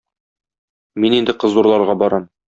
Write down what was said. Мин инде кыз урларга барам.